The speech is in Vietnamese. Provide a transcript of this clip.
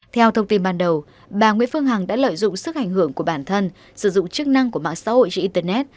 theo thông tin ban đầu bà nguyễn phương hằng đã lợi dụng sức ảnh hưởng của bản thân sử dụng chức năng của mạng xã hội trên internet